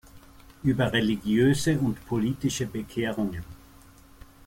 Über religiöse und politische Bekehrungen“.